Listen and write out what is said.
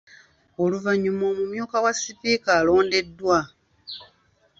Oluvannyuma omumyuka wa sipiika alondeddwa .